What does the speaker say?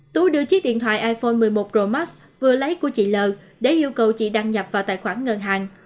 tú đưa chiếc điện thoại iphone một mươi một pro max vừa lấy của chị l để yêu cầu chị đăng nhập vào tài khoản ngân hàng